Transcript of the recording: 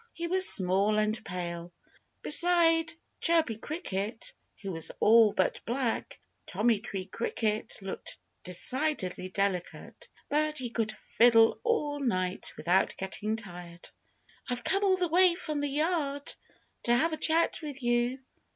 He was small and pale. Beside Chirpy Cricket, who was all but black, Tommy Tree Cricket looked decidedly delicate. But he could fiddle all night without getting tired. "I've come all the way from the yard to have a chat with you!"